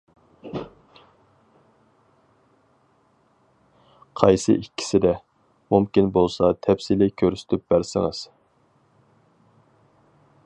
قايسى ئىككىسىدە؟ مۇمكىن بولسا تەپسىلىي كۆرسىتىپ بەرسىڭىز.